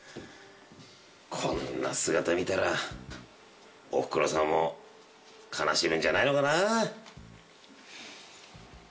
こんな姿見たらおふくろさんも悲しむんじゃないのかな？